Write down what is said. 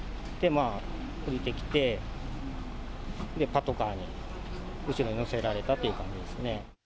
降りてきて、パトカーの後ろに乗せられたという感じですね。